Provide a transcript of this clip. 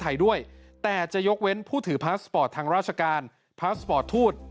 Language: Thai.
ไทยด้วยแต่จะยกเว้นผู้ถือพาสปอร์ตทางราชการพาสปอร์ตทูต